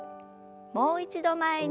もう一度前に。